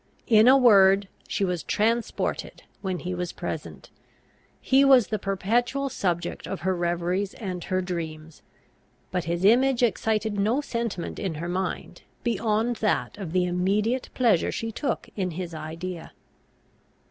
In a word, she was transported when he was present; he was the perpetual subject of her reveries and her dreams; but his image excited no sentiment in her mind beyond that of the immediate pleasure she took in his idea.